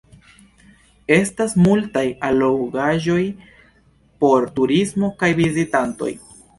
Estas multaj allogaĵoj por turismo kaj vizitantoj.